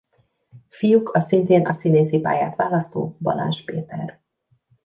Fiuk a szintén a színészi pályát választó Balázs Péter.